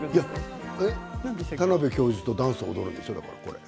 田邊教授とダンスを踊るんでしょう？